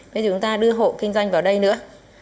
bây giờ chúng ta đưa hộ kinh doanh vào đây nữa